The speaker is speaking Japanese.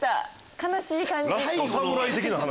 悲しい感じ。